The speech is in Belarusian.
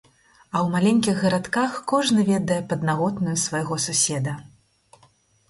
А ў маленькіх гарадках кожны ведае паднаготную свайго суседа.